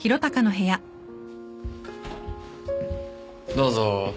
どうぞ。